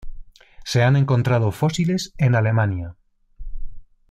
Se han encontrado fósiles en Alemania.